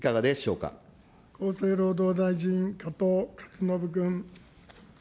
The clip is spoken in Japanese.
厚生労働大臣、加藤勝信君。